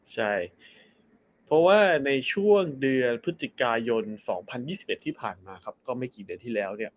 ใช่เพราะว่าในช่วงเดือนพฤศจิกายน๒๐๒๑ที่ผ่านมาครับก็ไม่กี่เดือนที่แล้วเนี่ย